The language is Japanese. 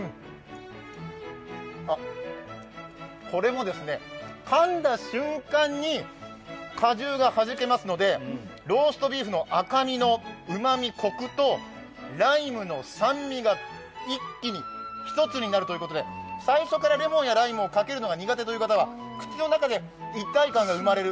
これもかんだ瞬間に果汁がはじけますので、ローストビーフの赤身、うまみとコクとライムの酸味が一気に一つになるということで、最初からレモンやライムをかけるのが苦手という方は口の中で一体感が生まれる